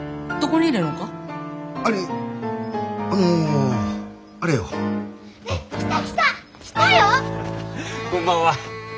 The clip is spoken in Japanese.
こんばんは。